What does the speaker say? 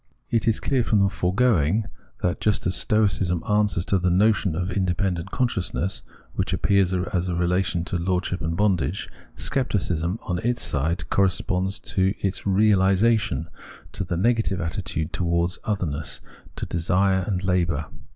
It is clear from the foregoing that, just as Stoicism answers to the notion of independent consciousness, which appeared as a relation of lordship and bondage. Scepticism, on its side, corresponds to its realisation, to the negative attitude towards otherness, to desire and labour.